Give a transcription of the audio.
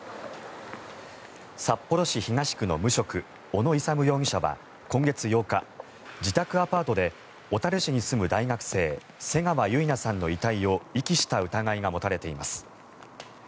札幌市東区の無職小野勇容疑者は今月８日、自宅アパートで小樽市に住む大学生瀬川結菜さんの遺体を遺棄した疑いが持たれています。